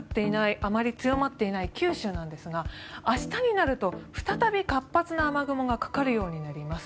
あまり強まっていない九州なんですが明日になると再び、活発な雨雲がかかるようになります。